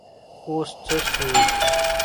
اوس څه شو ؟